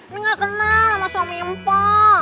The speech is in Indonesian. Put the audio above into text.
ini gak kenal sama suami mpo